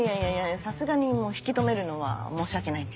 さすがにもう引き留めるのは申し訳ないんで。